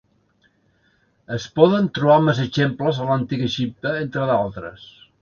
Es poden trobar més exemples a l'antic Egipte entre d'altres.